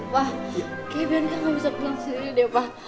pah biar kak gak bisa pulang sendiri deh pah